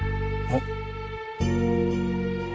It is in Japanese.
あっ？